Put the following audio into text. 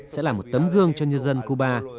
sẽ là một tấm gương cho nhân dân cuba